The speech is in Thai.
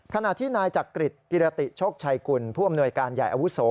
ขณะที่นายจักริจกิรติโชคชัยกุลผู้อำนวยการใหญ่อาวุโส